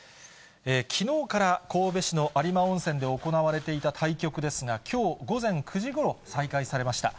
きのうから神戸市の有馬温泉で行われていた対局ですが、きょう午前９時ごろ再開されました。